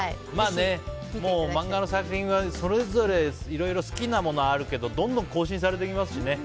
マンガの作品はそれぞれいろいろ好きなものがあるけどどんどん更新されていきますしね。